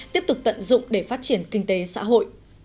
tiếp tục tận dụng để phát triển kinh tế xã hội